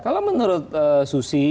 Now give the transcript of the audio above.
kalau menurut susi